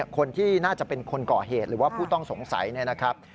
คนที่น่าจะเป็นคนก่อเหตุหรือว่าผู้ต้องสงสัยเนี่ยนะครับ